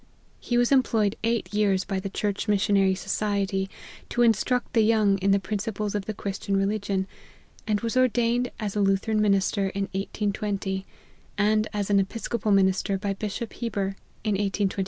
He was employed eight years by the Church Missionary Society, to instruct the young in the principles of the Christian religion, and was ordained as a Lu theran minister in 1820, and as an Episcopal min ister by Bishop Heber, in 1825.